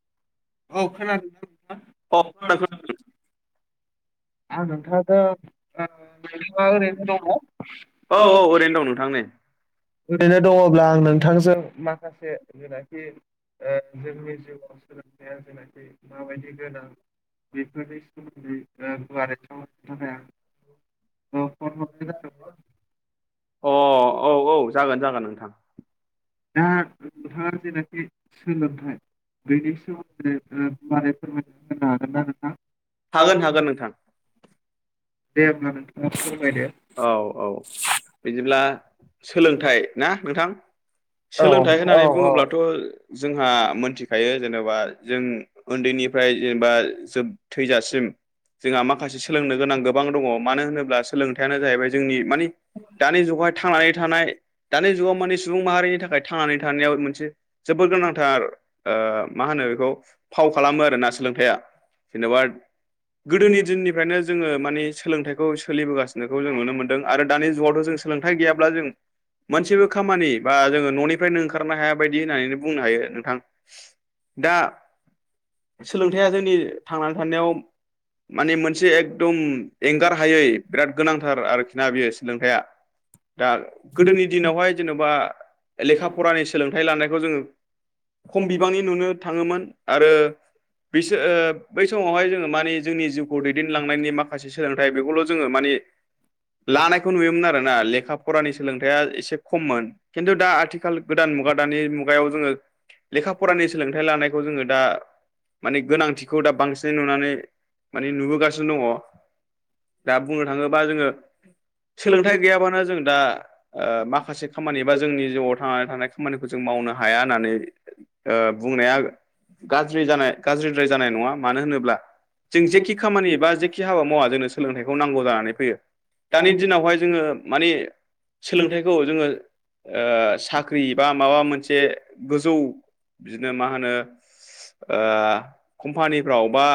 [unintelligible] औ औ ओरैनो दं नोंथां नै ओरैनो दंङब्ला आं नोंथांजों माखासे गोनांथि ओ जोंनि जिउआव सोलोंथाया जेनाखि माबायदि गोनां बेफोरनि सोमोन्दै ओ गुवारै सावरायनो थाखाय आं। अ औ औ। जागोन जागोन नोंथां। दा नोंथांङा जेनखि। सोलोंथाइ बेनि सोमोन्दै ओ गुुवारै फोरमायना होनो हागोन ना नोंथा। हागोन हागोन नोंथां। दे होमब्ला नोंथांङा [unintelligible] औ औ बिदिब्ला सोलोंथाइ ना नोंथां। औ सोलोंथाइ होननानै औ बुंङोब्लाथ' जोंहा मोनथिखायो। जेनेबा जों ओन्दैनिफ्राय जेनेबा जोब थैजासिम। जोंहा माखासे सोलोंनो गोनां गोबां दंङ मानो होनोब्ला सोलोंथाइ। थायानो जाहैबाय जोंनि मानि दानि जुगावहाय थांनानै। थानाय दानि जुगाव मानि सुबुं माहारिनि थाखाय थांनानै थानायाव मोनसे जोबोर गोनांथार। ओ मा होनो बेखौ फाव खालामो आरोना सोलोंथाइया जेन'बा। गोदोनि दिननिफ्रायनो जोंङो माने सोलोंथाइखौ सोलिबोगासिनोखौ जों नुनो मोन। दों आरो दानि जुगावथ' जों सोलोंथाइ गैयाब्ला जों। मोनसेबो खामानि बा जोंङो न'निफ्रायनो ओंखारनो हाया बायदि होननानै बुंनो हायो नोंथां। दा सोलोंथाया जोंनि थांनानै थानायाव। माने मोनसे एकदम एंगार हायै बिराद। थार आरोखि ना बियो सोलोंथाया। दा गोदोनि दिनावहाय जेन'बा लेखा फरानि सोलोंथाइ लानायखौ जोंङो खम बिबांनि नुनो थांङोमोन आरो। बिसो ओ बै समावहाय जोंङो मानि जोंनि जिउखौ दैदेनलांनायनि माखासे सोलोंथाइ बेखौल' जोंङो मानि लानायखौ नुयोमोन आरोना लेखा फरानि सोलोंथाया एसे खमोन। खिन्थु दा आथिखाल गोदान मुगा दानि मुगायाव जोंङो लेखा फरानि सोलोंथाइ लानायखौ जोंङो दा माने गोनांथिखौ दा बांसिनै नुनानै माने नुबोगासिनो दंङ दा बुंनो थांङोबा जोंङो सोलोंथाइ गैयाबानो जों दा ओ माखासे खामानि बा जोंनि जिउआव थांनानै थानाय। खामानिखौ जों मावनो हाया होननानै ओ बुंनाया। गाज्रि जानाय गाज्रिद्राय जानाय नंङा मानो होनोब्ला जों जेखि खामानि बा जेखि हाबा मावा जोंनो सोलोंथाइ खौ नांगौ जानानै फैयो दानि दिनावहाय जोंङो मानि सोलोंथाइखौ जोंङो ओ साख्रि बा माबा मोनसे गोजौ बिदिनो मा होनो। ओ कम्पानिफ्राव बा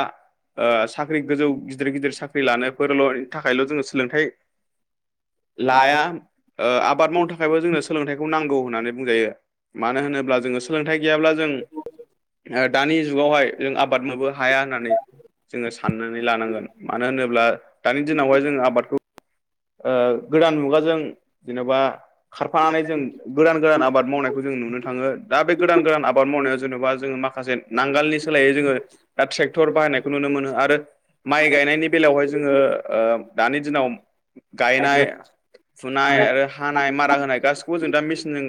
ओ साख्रि गोजौ गिदिर गिदिर साख्रि लानायफोरल'नि थाखायल' जोंङो सोलोंथाइ लाया ओ आबाद मावनो थाखायबो जोंनो सोलोंथाइखौ नांगौ होननानै बुंजायो मानो होनोब्ला जोंङो सोलोंथाइ गैयाब्ला जों ओ दानि जुगावहाय जों आबाद मावनोबो हाया होननानै जोंङो साननानै लानांगोन मानो होनोब्ला दानि दिनावहाय जोंङो आबादखौ ओ गोदान मुगाजों जेनेबा खारफानानै जों गोदान गोदान आबाद मावनायखौ जों नुनो थांङो। दा बे गोदान गोदान आबाद मावनायाव जेन'बा जोंङो माखासे नांगालनि सोलायै जोंङो दा ट्रेक्टर बाहायनायखौ नुनो मोनो। मोनो आरो माइ गायनायनि बेलायावहाय जोंङो ओ दानि दिनाव गायनाय फुनाय आरो हानाय मारा होनाय गासिखौबो जों दा मेसिनजों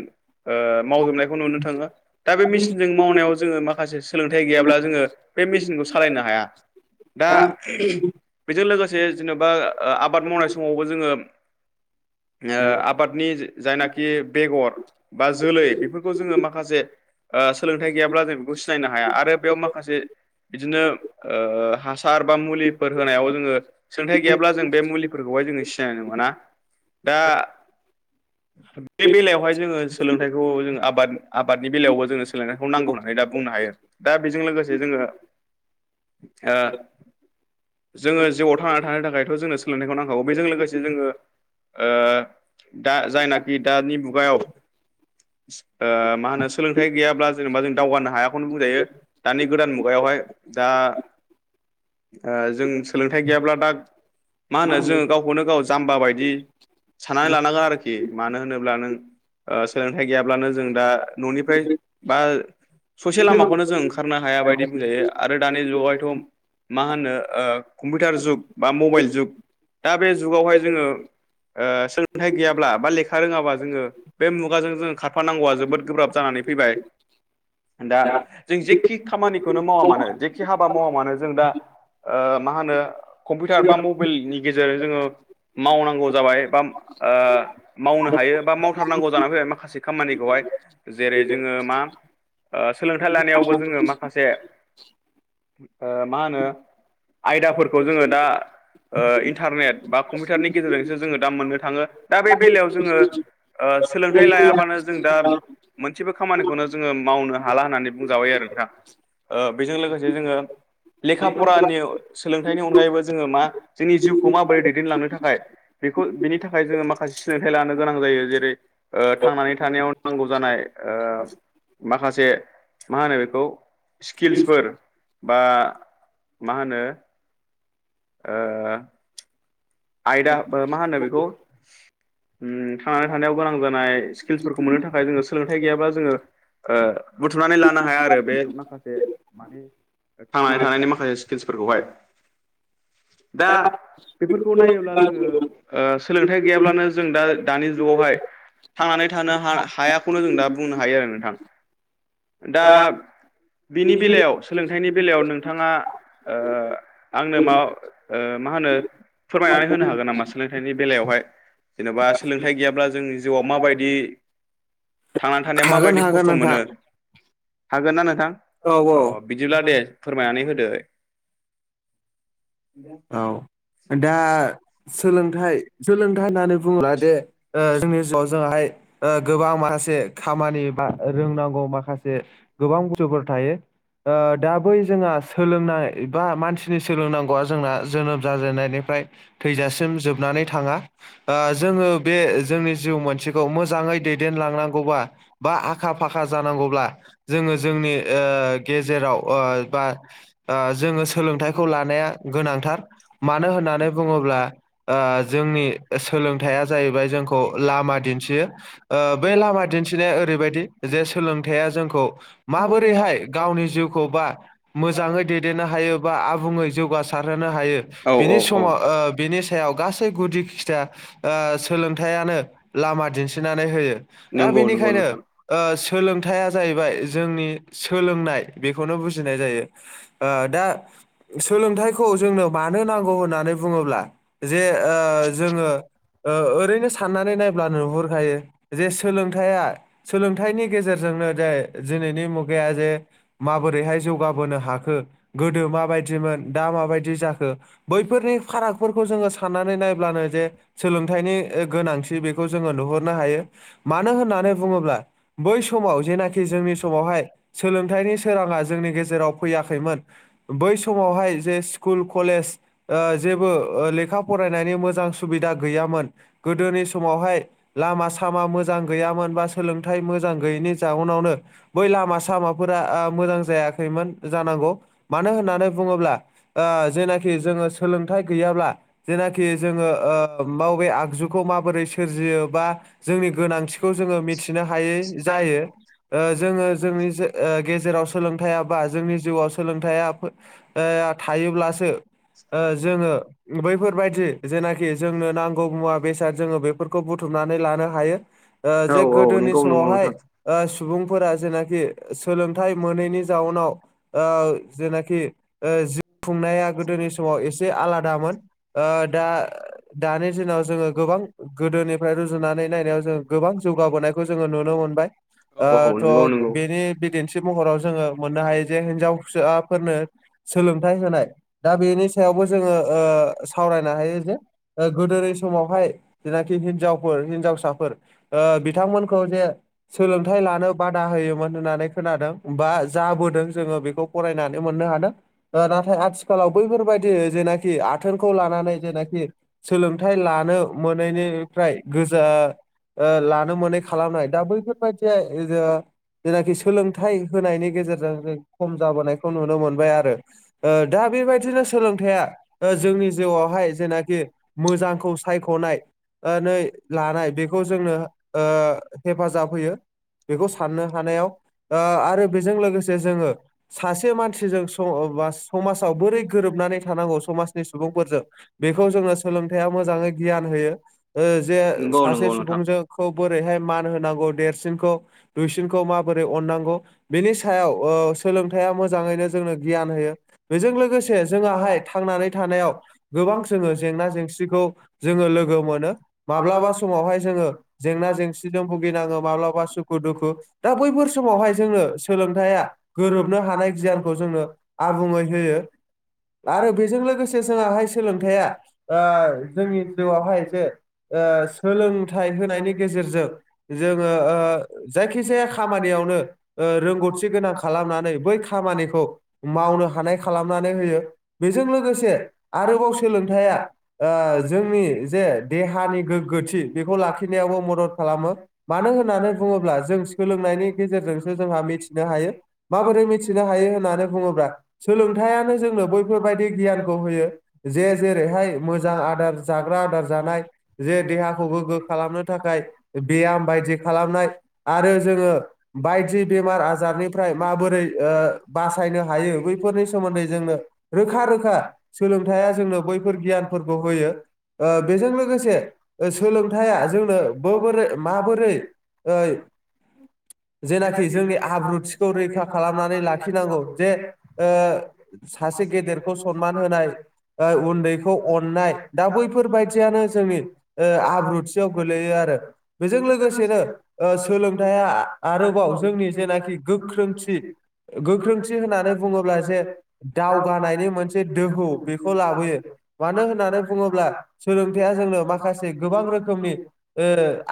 ओ मावजोबनायखौ नुनो थांङो। दा बे मेसिनजों मावनायाव जोंङो माखासे सोलोंथाइ गैयाब्ला जोंङो बे मेचिनखौ सालायनो हाया। दा उमह हु बेजों लोगोसे जेनेबा आबाद मावनाय सम समावबो जोंङो ङो आबादनि जि जायनाखि बेगर बा जोलै बेफोरखौ जोंङो माखासे ओ सोलोंथाइ गैयाब्ला जों बेखौ सिनायनो हाया आरो बेयाव माखासे बिदिनो ओ हासार बा मुलिफोर होनायाव जोंङो सोंलोंथाइ गैयाब्ला जों बे मुलि ओमफाय जोंङो सिनायनाय नंङाना दा बे बेलायावहाय जोंङो सोलोंथाइखौ जोंङो आब बाद आबादनि बेलायावबो जोंनो सोलोंथायखौ नांगौ होननानै दा बुंनो हायो दा बेजों लोगोसे जोंङो ओ जोंङो जिउआव थांनानै थानो थाखायथ' जोंनो सो सोलोंथायखौ नांखागौ बेजों लोगोसे जोंङो ओ दा जायनाखि दानि मुगायाव ओ मा होनो सोलोंथाइ गैयाब्ला जेनेबा जों दावगानो हायाखौनो बुंजायो दानि गोदान मुगायाव हाय दा ओ जों सोलोंथाइ गैयाब्ला दा मा होनो जोंङो गावखौनो गाव जाम्बा बायदि साननानै लानांगोन आरोखि मानो होनोब्ला नों ओ सोलोंथाइ गैयाब्लानो जों दा न'निफ्राय बा ससे लामाखौनो जों ओंखार थनो हाया बायदि बुंजायो आरो दानि जुगावहायथ' मा होनो ओ कम्पिउटार जुग बा मबाइल जुग दा बे जुगावहाय जोंङो ओ सोलोंथाइ गैयाब्ला बा लेखा रोंङाबा जोंङो बे मुगाजों जोंङो खारफानांगौआ जोबोद गोब्राब जानानै फैबाय दा जों जेखि खामानिखौनो मावा मानो जेखि हाबा मावा मानो जों दा ओ मा होनो कम्पिउटार बा मबाइलनि गेजेरजों जोंङो मावनांगौ जाबाय बा ओ मावनो हायो बा मावथारनांगौ जानानै फैबाय माखासे खामानिखौहाय जेरै जोंङो मा ओ सोलोंथाइ लानायावबो जोंङो माखासे ओ मा होनो आयदाफोरखौ जोंङो दा ओ इन्टारनेट बा कम्पिउटारनि गेजेरजोंसो जोंङो दा मोननो थांङो दा बे बेलायाव जोंङो ओ सोलोंथाइ लायाबानो जों दा मोनसेबो खामानिखौनो जोंङो मावनो हाला होननानै बुंजाबाय आरो नोंथां। ओ बेजों लोगोसे जोंङो लेखा फरानि सोलोंथाइनि अनगायैबो जोंङो मा जोंनि जिउखौ माबोरै दैदेनलांनो थाखाय बेखौ बिनि थाखाय जोंङो माखासे सोलोंथायाइ लानो गोनां जायो जेरै ओ थांनानै थानायाव नांगौ जानाय ओ माखासे मा होनो बेखौ स्किल्सफोर बा मा होनो ओ आयदा ओ मा होनो बेखौ उम थांनानै थानायाव गोनां जानाय स्किल्सफोरखौ मोननो थाखाय जोंङो सोलोंथाइ गैयाबा जोंङो ओ बुथुमनानै लानो हाया आरो बे माखासे माने थांनानै थानायनि माखासे स्किल्सफोरखौहाय दा बेफोर खौ नायोब्ला जोंङो ओ सोलोंथाइ गैयाब्लानो जों दा दानि जुगावहाय थांनानै थानो हा हायाखौनो जों दा बुंनो हायो आरो नोंथां। दा बिनि बेलायाव सोलों थाइनि बेलायाव नोंथाङा ओ आंनो ओ मा होनो फोरमायनानै होनो हागोन नामा सोलोंथाइनि बेलायावहाय जेन'बा सोलोंथाइ गैयाब्ला जोंनि जिउआव माबायदि थांनानै थानाया हागोन माबायदि हागोन खस्थ' नोंथां मोनो हागोन ना नोंथां औ औ अ बिदिब्ला दे फोरमायनानै होदो औ दा सोलोंथाइ सोलोंथाइ होननानै बुङोब्ला दे जोंनि जिउआव जोंहाय गोबां माखासे खामानि बा रोंनांगौ माखासे गोबां बस्थुफोर थायो। दा बै जोंहा सोलोंनाय बा मानसिनि सोलोंनांगौआ जोंना जोनोम जाजेननायनिफ्राय थैजासिम जोबनानै थाङा जोङो बे जोंनि जिउ मोनसेखौ मोजाङै दैदेनलांनांगौबा बा आखा फाखा जानांगौब्ला जोङो जोंनि ओ गेजेराव ओ बा ओ जों सोलोंथायखौ लानाया गोनांथार मानो होननानै बुङोब्ला ओ जोंनि सोलोंथाइया जाहैबाय जोंखौ लामा दिन्थियो। ओ बे लामा दिन्थिनाया ओरैबायदि जे सोलोंथाय जोंखौ माबोरैहाय गावनि जिउ खौ बा मोजाङै दैदेननो हायो बा आबुङै जौगासारहोनो हायो औ औ बेनि औ समाव ओ बिनि सायाव गासै गुदि खिथा सोलोंथाइयानो लामा दिन्थिनानै होयो। दा नंगौ नंगौ बेनिखायनो नोंथां ओ सोलोंथाइया जाहैबाय जोंनि सोलोंनाय बेखौनो बुजिनाय जायो दा सोलोंथाइ खौ जोंनो मानो नांगौ होननानै बुङोब्ला जे ओ जोङो ओ ओरैनो साननानै नायब्ला नुहुरखायो जे सोलोंथाइया सोलोंथाइनि गेजेरजोंनो जे दिनैनि मुगाया जे माबोरैहाय जौगाबोनो हाखो गोदो माबायदिमोन दा माबायदि जाखो बैफोरनि फारागफोरखौ जोङो साननानै नायब्लानो जे सोलोंथाइनि गोनांथि बेखौ जोङो नुहरनो हायो मानो होननानै बुङोब्ला बै समाव जेनाखि जोंनि समावहाय सोलोंथाइनि सोराङा जोंनि गेजेराव फैयाखैमोन बै समावहाय जे स्कुल कलेज ओ जेबो लेखा फरायनायनि मोजां सुबिदा गैयामोन। गोदोनि समावहाय लामा सामा मोजां गैयामोन बा सोलोंथाइ मोजां गैयैनि जाउनावनो बै लामा सामाफोरा मोजां जायाखैमोन जानांगौ मानो होननानै बुङोब्ला ओ जेनाखि जोङो सोलोंथाइ गैयाब्ला जेनाखि जोङो ओ माव आगजुखौ माबोरै सोरजियो बा जोंनि गोनांथिखौ जोङो मिथिनो हायै जायो जोङो जों गेजे-गेजेराव सोलोंथायाबा जोंनि जिउ सोलोंथाइया फो ओ थायोब्लासो जोङो बैफोरबायदि जेना खि जोंनो नांगौ मुवा बेसाद जोङो बेफोरखौ बुथुमनानै लानो हायो। औ जे औ गोदोनि नंगौ नंगौ समावहाय नोंथां ओ सुबुंफोरा जेनाखि सोलोंथाइ मोनैनि जाउनाव ओ जेनाखि ओ जि खुंनाया गोदोनि समाव एसे आलादामोन ओ दा दानि दिनाव जोङो गोबां गोदोनिफ्राय रुजुनानै नायनायाव जों गोबां जौगाबोनायखौ जोङो नुनो मोनबाय। ओ औ नंगौ थ' नंगौ बेनि बिदिन्थि महराव जोङो मोननो हायो जे हिनजावसाफोरनो सोलों थाय होनाय दा बेनि सायावबो जोङो ओ सावरायनो हायो जे गोदोनि समावहाय जेनाखि हिनजावफोर हिनजावसाफोर ओ बिथांमोनखौ जे सोलोंथाइ लानो बादा होयोमोन होननानै खोनादों बा जाबोदों जोङो बेखौ फरायनानै मोननो हादों नाथाय आथिखालाव बैफोरबायदि जेनाखि आथोनखौ लानानै जेनाखि सोलोंथाइ लानो मोनैनि फ्राय गोजा ओ लानो मोनै खालामनाय दा बैफोरबायदि जेनाखि सोलोंथाइ होनायनि गेजेरजों जों खम जाबोनायखौ नुनो मोनबाय आरो ओ दा बेबायदिनो सोलोंथाइया ओ जोंनि जिउआवहाय जेनाखि मोजांखौ सायख'नाय नानै लानाय बेखौ जोंनो ओ हेफाजाब होयो बेखौ साननो हानायाव ओ आरो बेजों लोगोसे जोङो सासे मानसिजों स बा समाजाव बोरै गोरोबनानै थानांगौ समाजनि सुबुंफोरजों बेखौ जोङो सोलोंथाइया मोजाङै गियान होयो ओ जे नंगौ सासे नंगौ नोंथां सुबुंजों खौ बोरैहाय मान होनांगौ देरसिनखौ दुइसिनखौ माबोरै अननांगौ बेनि सायाव ओ सोलोंथाइया मोजाङैनो जोंनो गियान होयो। बेजों लोगोसे जोङोहाय थांनानै थानायाव गोबां जोङो जेंना जेंसिखौ जोङो लोगो मोनो माब्लाबा समावहाय जोङो जेंना जेंसिजों बुगिनाङो माब्लाबा सुखु दुखु दा बैफोर समावहाय जोंनो सोलोंथाइया गोरोबनो हानाय गियानखौ जोनो आबुङै होयो आरो बेजों लोगोसे जोङाहाय सोलोंथाइया ओ जोंनि जिउआवहाय जे ओ सोलोंथाइ होनायनि गेजेरजों जोङो ओ जायखिजाया खामानियाव सायावहाय रोंगौथि गोनां खालामनानै बै खामानिखौ मावनो हानाय खालामनानै होयो बेजों लोगोसे आरोबाव सोलोंथाइया ओ जों जोंनि जे देहानि गोग्गोथि बेखौ लाखिनायावबो मदद खालामो मानो होननानै बुङो ब्ला जों सोलोंनायनि गेजेरजोंसो बुङोब्ला मिथिनो हायो माबोरै मिथिनो हायो होननानै बुङो सोलोंथाइानो जोंनो बैफोरबायदि गियानखौ होयो जे जेरैहाय मोजां आदार जाग्रा आदार जानाय जे देहाखौ गोग्गो खालामनो थाखाय बेयाम बायदि खालामनाय आरो जोङो बायदि बेमार आजारनिफ्राय माबोरै ओ बासायनो हायो बैफोरनि सोमोन्दै जोंनो रोखा रोखा सोलोंथाइया जोंनो बैफोर गियानफोरखौ होयो। ओ बेजों लोगोसे ओ सोलोंथाइया जोंनो बोबोरै माबोरै ओ जेना खि जोंनि आब्रुथिखौ रैखा खालामनानै लाखिनांगौ जे ओ सासे गेदेरखौ सनमान होनाय ओ उन्दैखौ अननाय दा बैफोरबायदियानो जोंनि ओ आब्रुथियाव गोलैयो आरो बेजों लोगोसेनो ओ सोलोंथाइया आरो बाव जोंनि जेनाखि गोख्रों गोख्रोंथि होननानै बुङोब्ला जे दावगानायनि मोनसे दोहौ बेखौ लाबोयो मानो होननानै बुङोब्ला सोलोंथाइया जोंनो माखासे गोबां रोखोमनि ओ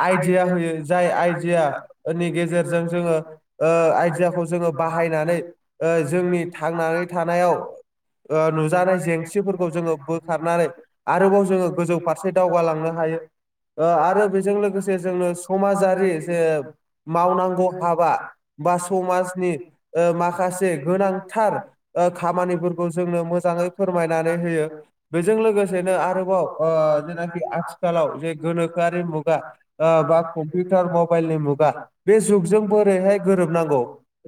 आइदिया या होयो जाय आइदियानि गेजे जों जोङो ओ आइदियाखौ जोङो बाहायनानै ओ जोंनि थांनानै थानायाव ओ नुजानाय जेंसिफोरखौ जोङो बोखारनानै आरोबाव जोङो गोजौ फारसे दावगालांनो हा हायो ओ आरो बेजों लोगोसे जोंनो समाजारि जे मावनांगौ मावनांनो हाबा थांब्ला बा समाजनि माखासे मोजां थार ओ खामानिफोरखौ जोंनो मोजाङै फोरमायनानै होयो बेजों लोगोसेनो आरोबाव ओ जेनाखि आथिखालाव जे गोनोखोआरि मुगा ओ बा कम्पिउटार मबाइलनि मुगा बे जुगजों बोरैहाय गोरोबनांगौ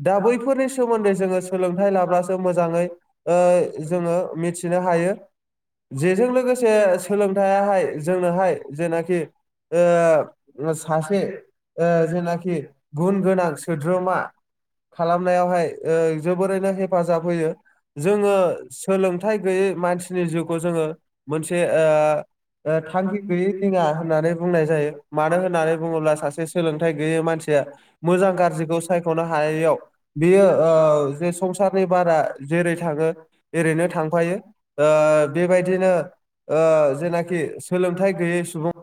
दा बैफोरनि सोमोन्दै जोङो सोलों लाब्लासो‌ मोजाङै ओ जोङो मिथिनो हायो जेजों लोगोसे सोलोंथाइयाहाय जोंनोहाय जेनाखि ओ सासे ओ जेनाखि गुन गोनां सोद्रोमा खालामनायावहाय ओ जोबोरैनो हेफाजाब होयो जोङो सोलोंथाइ गैयै मानसिनि जिउखौ जोङो मोनसे ओ ओ थांखि गैयि दिङा होननानै बुंनाय जायो मानो होननानै बुङोब्ला सासे सोलोंथाइ गैयै बे मानसिया मोजां गाज्रिखौ सायख'नो हायैयाव बियो ओ जे संसारनि बारा जेरै थाङो एरैनो थांफायो आ बेबायदिनो ओ जेनाखि सोलोंथाइ गैयै सुबुं